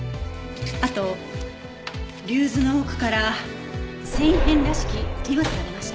あと竜頭の奥から繊維片らしき微物が出ました。